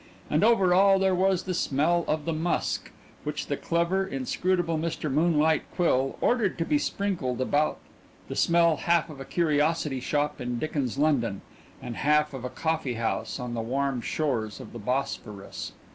And over all there was the smell of the musk, which the clever, inscrutable Mr. Moonlight Quill ordered to be sprinkled about the smell half of a curiosity shop in Dickens' London and half of a coffee house on the warm shores of the Bosphorus.